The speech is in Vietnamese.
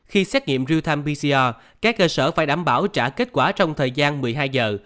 khi xét nghiệm real time pcr các cơ sở phải đảm bảo trả kết quả trong thời gian một mươi hai giờ